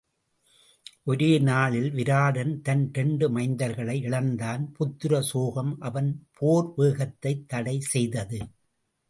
ஒரே நாளில் விராடன் தன் இரண்டு மைந்தர்களை இழந்தான் புத்திர சோகம் அவன் போர் வேகத்தைத் தடை செய்தது.